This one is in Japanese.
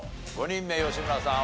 ５人目吉村さん